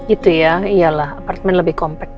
itu ya iyalah apartemen lebih compact